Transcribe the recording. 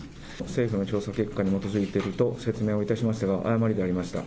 政府の調査結果に基づいていると説明をいたしましたが、誤りでありました。